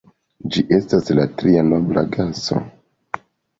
Ĝi estas la tria nobla gaso.